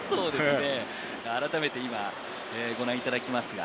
改めて今ご覧いただきます。